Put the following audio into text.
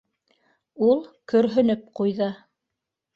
- Ул көрһөнөп ҡуйҙы.